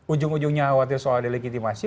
ujung ujungnya khawatir soal delegitimasi